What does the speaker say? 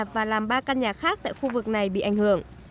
và làm ba căn nhà khác tại khu vực này bị ảnh hưởng